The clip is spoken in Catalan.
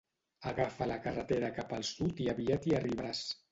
Agafa la carretera cap el sud i aviat hi arribaràs.